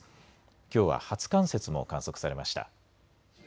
きょうは初冠雪も観測されました。